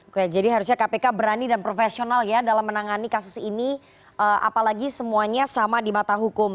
oke jadi harusnya kpk berani dan profesional ya dalam menangani kasus ini apalagi semuanya sama di mata hukum